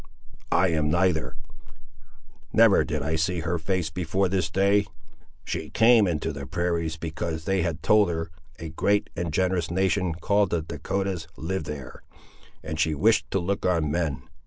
"I am neither. Never did I see her face before this day. She came into the prairies because they had told her a great and generous nation called the Dahcotahs lived there, and she wished to look on men.